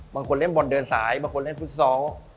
บางคนเล่นบอลเดินสายบางคนเล่นฟุตซอล